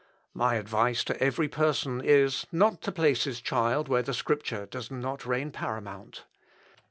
My advice to every person is, not to place his child where the Scripture does not reign paramount.